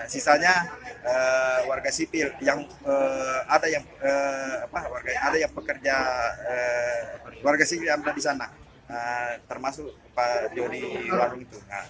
sisanya warga sipil yang ada yang bekerja di sana termasuk pak jody warung